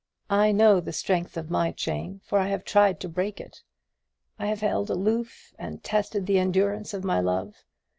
I know the strength of my chain, for I have tried to break it. I have held aloof, and tested the endurance of my love.